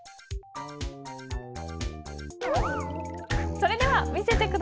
それでは見せて下さい。